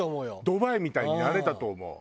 ドバイみたいになれたと思う。